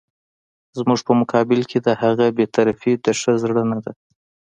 زموږ په مقابل کې د هغه بې طرفي د ښه زړه نه ده.